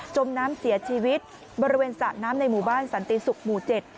มน้ำเสียชีวิตบริเวณสระน้ำในหมู่บ้านสันติศุกร์หมู่เจ็ด